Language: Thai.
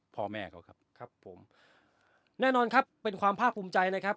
พ่อแม่เขาครับครับผมแน่นอนครับเป็นความภาคภูมิใจนะครับ